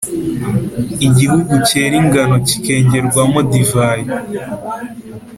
igihugu cyera ingano kikengerwamo divayi,